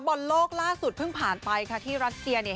บอลโลกล่าสุดเพิ่งผ่านไปค่ะที่รัสเซียเนี่ย